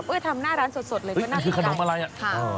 เออลูกค้าเห็นแบบทำหน้าร้านสดเลยก็น่าจะได้